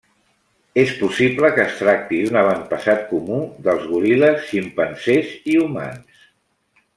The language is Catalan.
És possible que es tracti d'un avantpassat comú dels goril·les, ximpanzés i humans.